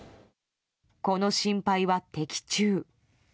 この心配は的中。